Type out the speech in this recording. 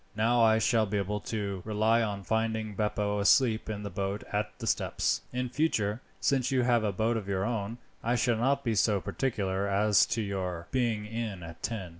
Now I shall be able to rely on finding Beppo asleep in the boat at the steps. In future, since you have a boat of your own, I shall not be so particular as to your being in at ten.